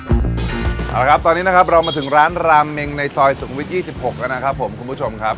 เอาละครับตอนนี้นะครับเรามาถึงร้านราเมงในซอยสุขวิท๒๖แล้วนะครับผมคุณผู้ชมครับ